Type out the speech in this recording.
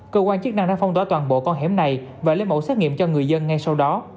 cơ quan chức năng đã phong tỏa toàn bộ con hẻm này và lấy mẫu xét nghiệm cho người dân ngay sau đó